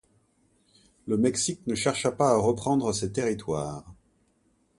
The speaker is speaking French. Le Mexique ne chercha pas à reprendre ces territoires.